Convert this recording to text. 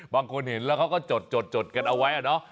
บางคนเห็นแล้วเขาก็จดกันเอาไว้อะเนาะ